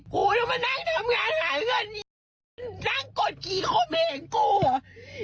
กูจะมานั่งทำงานหาเงินนั่งกดกี่คมเองกูอ่ะ